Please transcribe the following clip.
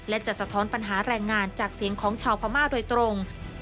และจะสะท้อนปัญหาแรงงานจากเสียงของชาวพม่าโดยตรง